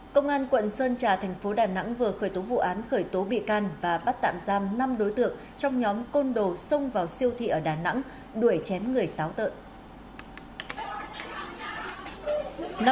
công an quận sơn trà thành phố đà nẵng vừa khởi tố vụ án khởi tố bị can và bắt tạm giam năm đối tượng trong nhóm côn đồ xông vào siêu thị ở đà nẵng đuổi chém người táo tợn